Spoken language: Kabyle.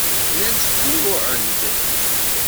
Llan ttgurruɛen-d.